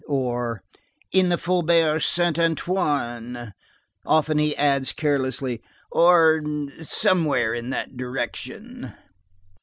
Or:— "In the Faubourg Saint Antoine." Often he adds carelessly:— "Or somewhere in that direction."